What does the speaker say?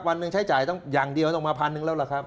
วันหนึ่งใช้จ่ายต้องอย่างเดียวต้องมาพันหนึ่งแล้วล่ะครับ